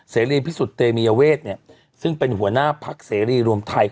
เสรีพิสุทธิเตมียเวทเนี่ยซึ่งเป็นหัวหน้าพักเสรีรวมไทย